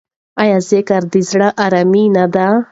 آیا ذکر د زړه ارامي نه ده؟